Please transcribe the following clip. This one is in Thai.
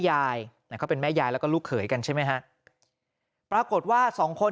ยายเขาเป็นแม่ยายแล้วก็ลูกเขยกันใช่ไหมฮะปรากฏว่าสองคน